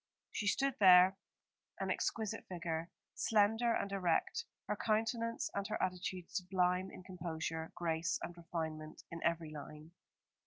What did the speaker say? She stood there, an exquisite figure, slender and erect, her countenance and her attitude sublime in composure, grace and refinement in every line.